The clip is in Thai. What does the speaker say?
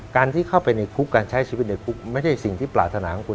การที่เข้าไปในคุกการใช้ชีวิตในคุกไม่ใช่สิ่งที่ปรารถนาของคุณ